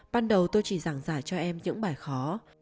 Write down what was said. ban đầu tôi chỉ giảng giải cho em những bài khó